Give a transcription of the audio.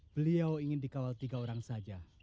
beliau ingin dikawal tiga orang saja